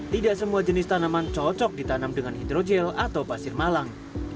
tidak semua jenis tanaman cocok ditanam dengan hidrogel atau pasir malang